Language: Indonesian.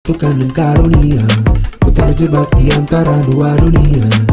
tukang dan karunia ku terjebak di antara dua dunia